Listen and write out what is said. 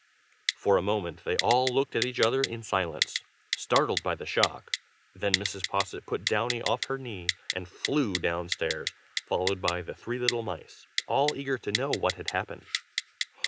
For a moment they all looked at each other in silence, startled by the shock; then Mrs. Posset put Downy off her knee, and flew down stairs, followed by the three little mice, all eager to know what had happened.